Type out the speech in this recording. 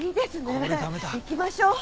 行きましょう。